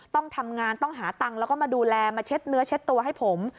ต้องทำงานต้องหาตังค์แล้วก็มาดูแลมาเช็ดเนื้อเช็ดตัวให้ผม